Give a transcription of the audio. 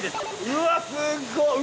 うわっすっごい。